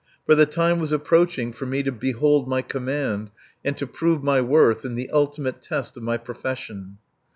For the time was approaching for me to behold my command and to prove my worth in the ultimate test of my profession.